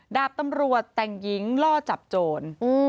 ดาบตำรวจแต่งหญิงล่อจับโจร